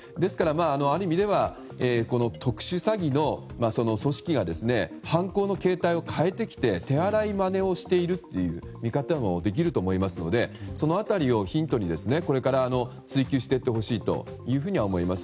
ある意味では、特殊詐欺の組織が犯行の形態を変えてきて手荒いまねをしているという見方もできると思いますのでその辺りをヒントにこれから追及していってほしいと思います。